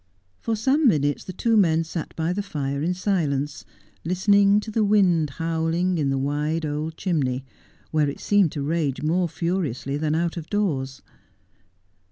For some minutes the two men sat by the fire in silence, listening to the wind howling in the wide old chimney, where it seemed to rage more furiously than out of doors.